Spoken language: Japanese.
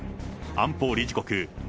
安保理事国